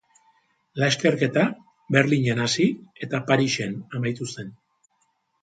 Lasterketa Berlinen hasi eta Parisen amaitu zen.